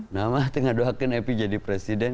mama tinggal doakan evi jadi presiden